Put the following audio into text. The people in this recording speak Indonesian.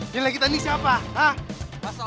tidak ada apa apa